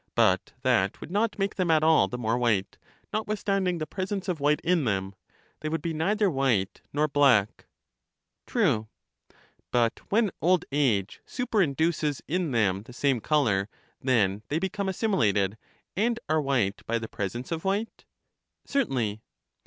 Ait that would not make them at all the more white, not withstanding the presence of white in them — they would be neither white nor black. True. But when old age superinduces in them the same color, then they become assimilated, and are white by the presence of white. Certainly.